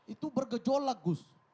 itu bergejolak gus